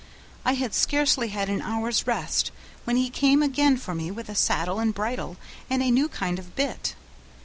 I had scarcely had an hour's rest, when he came again for me with a saddle and bridle and a new kind of bit.